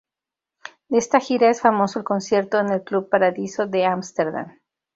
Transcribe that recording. De esta gira es famoso el concierto en el club Paradiso de Ámsterdam.